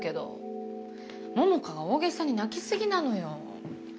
桃花が大げさに泣き過ぎなのよ。